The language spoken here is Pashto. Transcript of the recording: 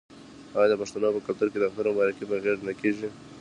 آیا د پښتنو په کلتور کې د اختر مبارکي په غیږ نه کیږي؟